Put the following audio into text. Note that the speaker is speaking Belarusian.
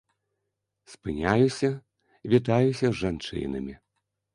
Спыняюся, вітаюся з жанчынамі.